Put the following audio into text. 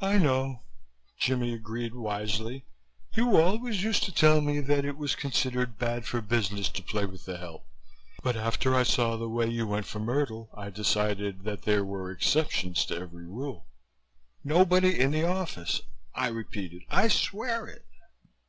"I know," Jimmie agreed wisely. "You always used to tell me that it was considered bad for business to play with the help but after I saw the way you went for Myrtle I decided that there were exceptions to every rule." "Nobody in the office," I repeated. "I swear it."